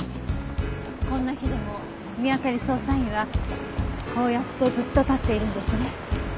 こんな日でも見当たり捜査員はこうやってずっと立っているんですね。